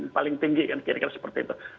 paling tinggi kan kira kira seperti itu